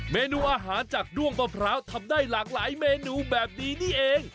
เมนูอาหารจากด้วงมะพร้าวทำได้หลากหลายเมนูแบบนี้นี่เอง